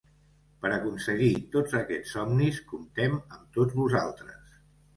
Per aconseguir tots aquests somnis, comptem amb tots vosaltres.